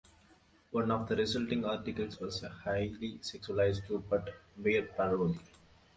One of the resulting articles was a highly sexualised Rupert Bear parody.